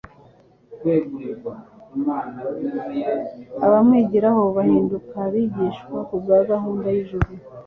Abamwigiraho bahinduka abigisha kubwa gahuruda y'ijuru.